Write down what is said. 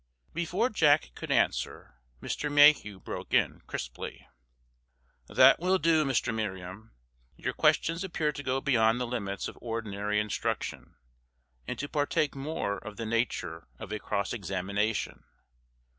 Before Jack could answer Mr. Mayhew broke in, crisply: "That will do, Mr. Merriam. Your questions appear to go beyond the limits of ordinary instruction, and to partake more of the nature of a cross examination.